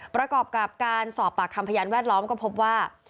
ประกอบกับการสอบปากคำพยานแวดล้อมก็พบว่า